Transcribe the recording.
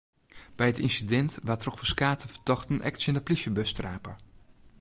By it ynsidint waard troch ferskate fertochten ek tsjin de plysjebus trape.